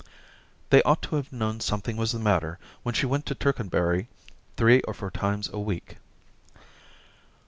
* They ought to have known something was the matter when she went into Tercanbury three or four times a week.'